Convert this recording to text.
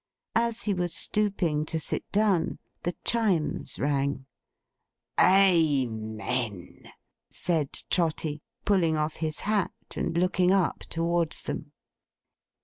As he was stooping to sit down, the Chimes rang. 'Amen!' said Trotty, pulling off his hat and looking up towards them.